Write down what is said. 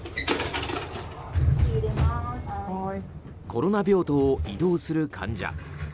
コロナ病棟を移動する患者。